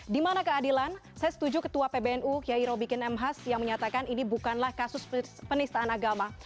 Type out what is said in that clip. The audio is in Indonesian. di mana keadilan saya setuju ketua pbnu kiai robikin m has yang menyatakan ini bukanlah kasus penistaan agama